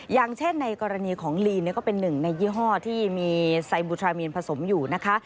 อย่างเช่นในกรณีของลีนก็เป็นหนึ่งในยี่ห้อที่มีไซบูทรามีนผสมอยู่นะคะ